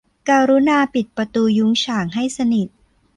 กรุณาปิดประตูยุ้งฉางให้สนิท